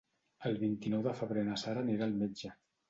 El vint-i-nou de febrer na Sara anirà al metge.